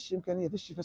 saya menjaga mereka